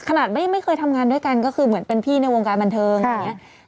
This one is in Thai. ไม่เคยทำงานด้วยกันก็คือเหมือนเป็นพี่ในวงการบันเทิงอย่างนี้